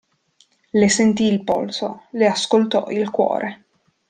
Le sentì il polso, le ascoltò il cuore.